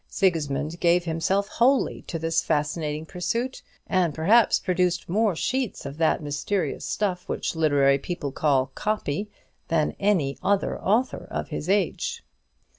Sigismund gave himself wholly to this fascinating pursuit, and perhaps produced more sheets of that mysterious stuff which literary people call "copy" than any other author of his age.